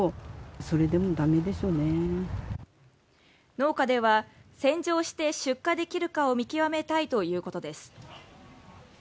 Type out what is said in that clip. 農家では洗浄して出荷できるかを見極めたいということです。